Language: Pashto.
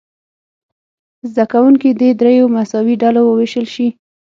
زده کوونکي دې دریو مساوي ډلو وویشل شي.